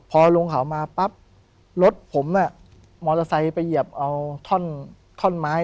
พอลงเขามาปั๊บรถผมน่ะมอเตอร์ไซค์ไปเหยียบเอาท่อนไม้